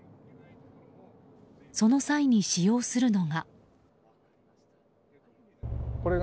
その際に使用するのが。